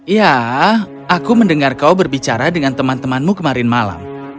ya aku mendengar kau berbicara dengan teman temanmu kemarin malam